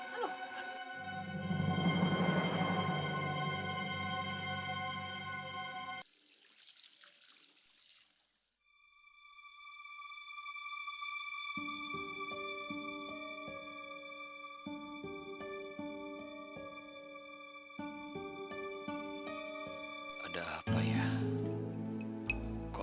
aku justru berada di ganda picchi